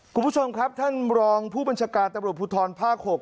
คุณผู้ชมครับท่านรองผู้บัญชาการตำรวจภูทรภาค๖